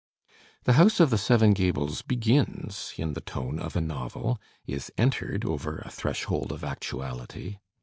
"The House of the Seven Gables" begins in the tone of a novel, is entered over a threshold of actuality.